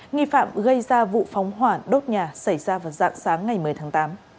nghi phạm gây ra vụ phóng hỏa đốt nhà xảy ra vào dạng sáng ngày một mươi tháng tám